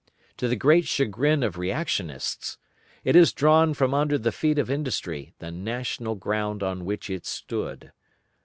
To the great chagrin of Reactionists, it has drawn from under the feet of industry the national ground on which it stood.